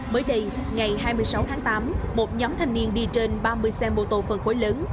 mới đây ngày hai mươi sáu tháng tám một nhóm thanh niên đi trên ba mươi xe mô tô phân khối lớn